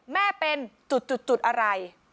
แม่เป็นจุดอะไร